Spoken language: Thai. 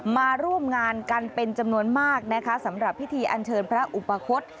มาร่วมงานกันเป็นจำนวนมากนะคะสำหรับพิธีอันเชิญพระอุปคศ